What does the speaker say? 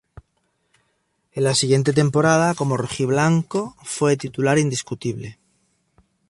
En la siguiente temporada como rojiblanco fue titular indiscutible.